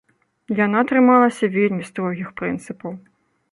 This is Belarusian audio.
Яна трымалася вельмі строгіх прынцыпаў.